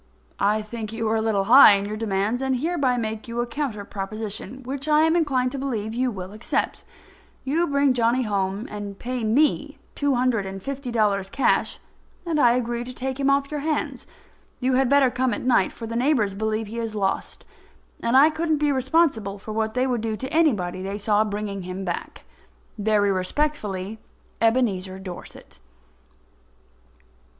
I think you are a little high in your demands, and I hereby make you a counter proposition, which I am inclined to believe you will accept. You bring Johnny home and pay me two hundred and fifty dollars in cash, and I agree to take him off your hands. You had better come at night, for the neighbours believe he is lost, and I couldn't be responsible for what they would do to anybody they saw bringing him back. Very respectfully, EBENEZER DORSET.